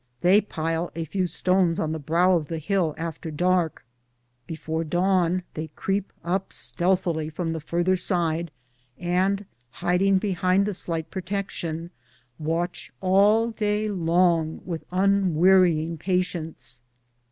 They pile a few stones on the brow of the hill after dark ; before dawn they creep up stealthily from the farther side, and hiding behind the slight protection, watch all day long with unwearying patience.